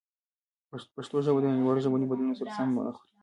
پښتو ژبه د نړیوالو ژبني بدلونونو سره سمون نه خوري.